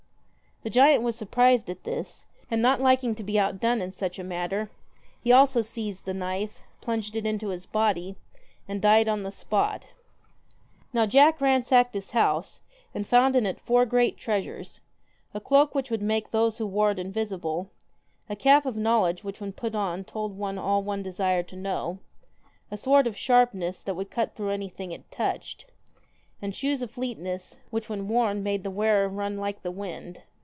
The giant was surprised at this, and not liking to be outdone in such a matter, he also seized the knife, plunged it into his body, and died on the spot Now Jack ransacked his house, and found in it four great treasures : a cloak which would make those who wore it invisible, a cap of knowledge which when put on told one all one desired to know, a sword of sharpness that would cut through anything it touched, and shoes of fleetness which when worn made the wearer run like the wind.